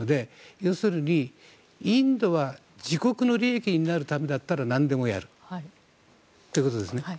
要するに、インドは自国の利益になるためだったら何でもやるということですね。